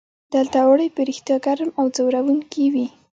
دلته اوړي په رښتیا ګرم او ځوروونکي وي.